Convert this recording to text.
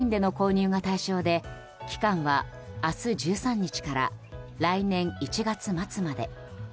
オンラインでの購入が対象で期間は、明日１３日から来年１月末まで。